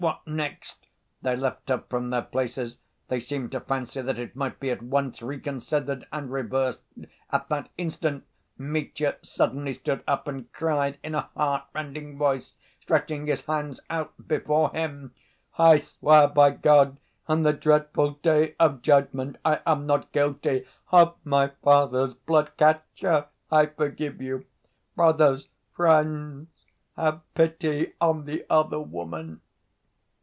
What next?" They leapt up from their places. They seemed to fancy that it might be at once reconsidered and reversed. At that instant Mitya suddenly stood up and cried in a heartrending voice, stretching his hands out before him: "I swear by God and the dreadful Day of Judgment I am not guilty of my father's blood! Katya, I forgive you! Brothers, friends, have pity on the other woman!"